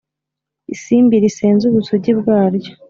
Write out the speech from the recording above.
isimbi risenze ubusugi bwaryo